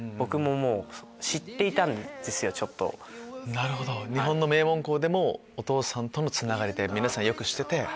なるほど日本の名門校でもお父さんとのつながりで皆さんよく知ってて。